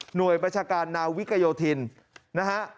หน่วยบัชการนาวิกยทินนะฮะ